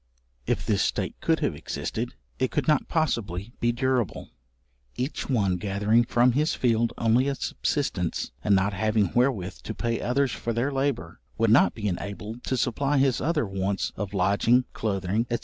If this state could have existed, it could not possibly be durable; each one gathering from his field only a subsistence, and not having wherewith to pay others for their labour, would not be enabled to supply his other wants of lodging, cloathing, &c.